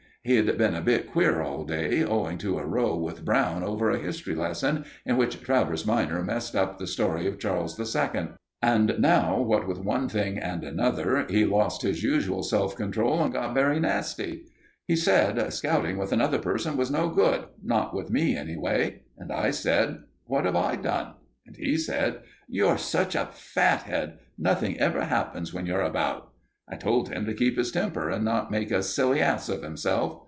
He'd been a bit queer all day, owing to a row with Brown over a history lesson, in which Travers minor messed up the story of Charles II; and now, what with one thing and another, he lost his usual self control and got very nasty. He said scouting with another person was no good not with me, anyway. And I said: "What have I done?" And he said: "You're such a fathead nothing ever happens when you're about!" I told him to keep his temper and not make a silly ass of himself.